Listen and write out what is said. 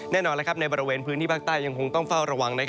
แน่นอนในบริเวณพื้นที่ภาคใต้ยังคงต้องเฝ้าระวัง